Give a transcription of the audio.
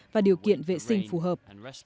và điều kiện vệ sinh phù hợp